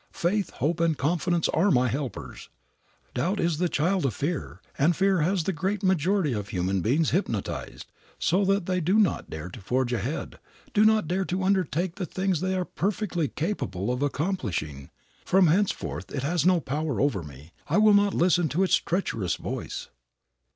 Faith, hope and confidence are my helpers. Doubt is a child of fear, and fear has the great majority of human beings hypnotized, so that they do not dare to forge ahead, do not dare to undertake the things they are perfectly capable of accomplishing. From henceforth it has no power over me. I will not listen to its treacherous voice."